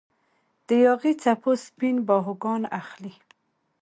د یاغي څپو سپین باهوګان اخلي